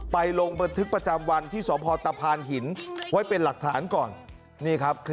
ลงบันทึกประจำวันที่สพตะพานหินไว้เป็นหลักฐานก่อน